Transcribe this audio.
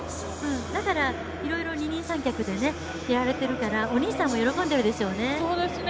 だから、いろいろ二人三脚でやられているからお兄さんも喜んでいるでしょうね。